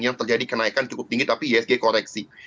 yang terjadi kenaikan cukup tinggi tapi isg koreksi